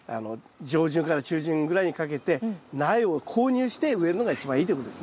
上旬から中旬ぐらいにかけて苗を購入して植えるのが一番いいということですね。